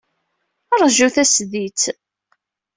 Ṛju tasdidt.